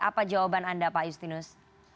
apa jawaban anda pak justinus